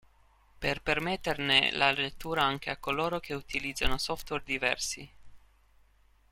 Per permetterne la lettura anche a coloro che utilizzano software diversi.